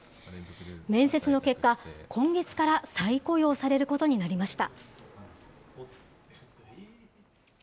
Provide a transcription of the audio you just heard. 面接の結果、今月から再雇用されることになりました。